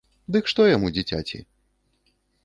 Дык што яму, дзіцяці?